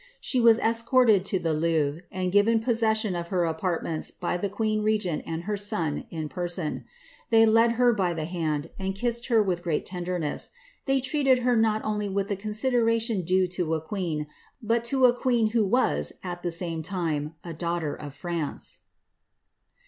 She was escorted to the Louvre, and given possession of her apartments by the queen regent and her son, in person ; they led her by the hand, and kissed her with great tenderness ; they treated her not ooly with the consideration due to a queen, but to a queen who was, at the same time, a daughter of France."